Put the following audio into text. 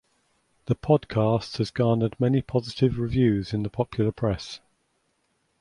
The podcast has garnered many positive reviews in the popular press.